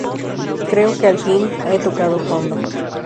Creo que, al fin, he tocado fondo".